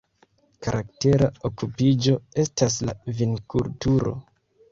Karaktera okupiĝo estas la vinkulturo.